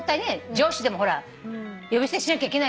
上司でも呼び捨てにしなきゃいけない。